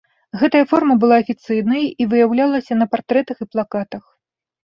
Гэтая форма была афіцыйнай і выяўлялася на партрэтах і плакатах.